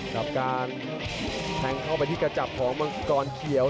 กับการแทงเข้าไปที่กระจับของมังกรเขียว